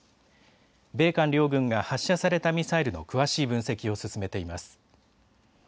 米韓両軍が発射されたミサイルの詳しい分析を進めています。